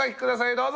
どうぞ！